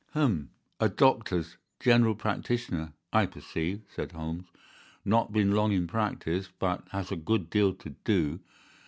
"Hum! A doctor's—general practitioner, I perceive," said Holmes. "Not been long in practice, but has had a good deal to do.